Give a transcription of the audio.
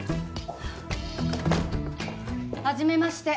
はじめまして。